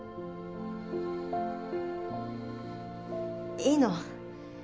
いいの。